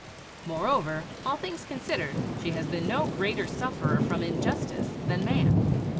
Moreover, all things considered, she has been no greater sufferer from injustice than man.